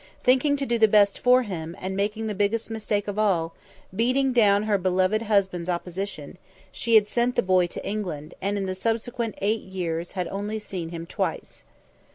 Thinking to do the best for him, and making the biggest mistake of all, beating down her beloved husband's opposition, she had sent the boy to England, and in the subsequent eight years had only seen him twice.